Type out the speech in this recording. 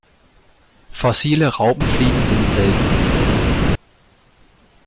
Fossile Raupenfliegen sind selten.